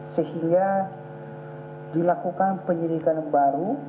sehingga dilakukan penyelidikan baru